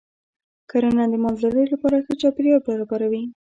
کرنه د مالدارۍ لپاره ښه چاپېریال برابروي.